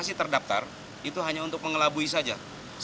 semua tangan diatas